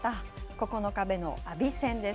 ９日目の阿炎戦です。